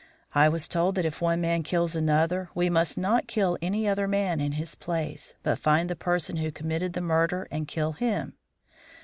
I was told that if one man kills another we must not kill any other man in his place, but find the person who committed the murder and kill him.